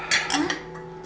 tidak tidak ada apa apa